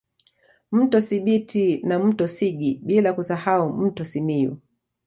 Mto Sibiti na mto Sigi bila kusahau mto Simiyu